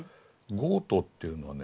ゴートっていうのはね